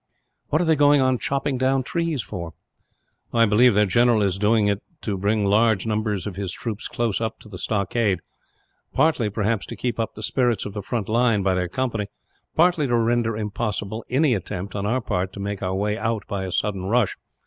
"What are they going on chopping down trees for?" "I believe their general is doing it to bring large numbers of his troops close up to the stockade; partly perhaps to keep up the spirits of the front line, by their company; partly to render impossible any attempt, on our part, to make our way out by a sudden rush.